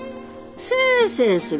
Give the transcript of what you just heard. せいせいするわな。